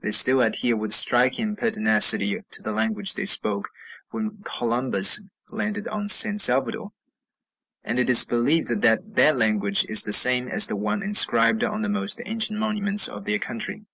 They still adhere with striking pertinacity to the language they spoke when Columbus landed on San Salvador; and it is believed that that language is the same as the one inscribed on the most ancient monuments of their country.